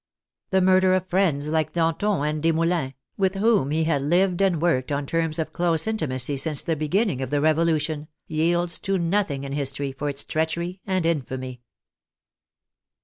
The murder of friends like Danton and Desmoulins, with whom he had lived and worked on terms of close intimacy since the beginning of the Revolution, yields to nothing in history for its treachery and infamy.